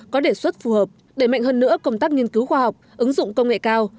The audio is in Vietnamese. có đề xuất phù hợp đẩy mạnh hơn nữa công tác nghiên cứu khoa học ứng dụng công nghệ cao